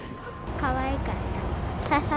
かわいかった。